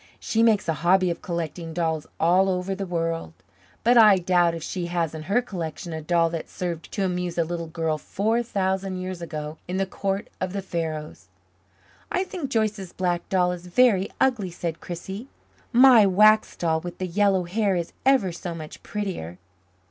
She makes a hobby of collecting dolls all over the world, but I doubt if she has in her collection a doll that served to amuse a little girl four thousand years ago in the court of the Pharaohs." "I think Joyce's black doll is very ugly," said Chrissie. "My wax doll with the yellow hair is ever so much prettier."